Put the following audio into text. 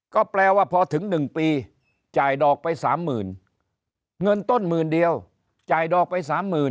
ก็แปลว่าพอถึง๑ปีจ่ายดอกไป๓๐๐๐เงินต้นหมื่นเดียวจ่ายดอกไป๓๐๐๐